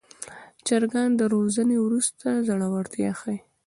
چرګان د روزنې وروسته زړورتیا ښيي.